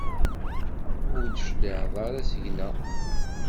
Ur d-tecliɛeḍ ara seg-neɣ?